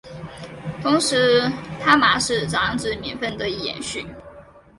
同时他玛使长子名份得以延续。